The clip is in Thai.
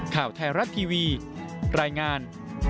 ข่าวไทยรัฐทีวีรายงาน